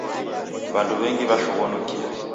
W'andu w'engi w'ashoghonokie